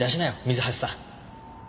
水橋さん。